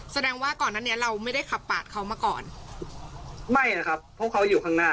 แสดงว่าก่อนนั้นเนี้ยเราไม่ได้ขับปาดเขามาก่อนไม่นะครับเพราะเขาอยู่ข้างหน้า